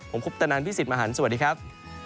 ผมคุปตะนันพี่สิทธิ์มหันฯสวัสดีครับ